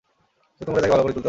যত্ন করে তাকে ভাল করে তুলতে হবে।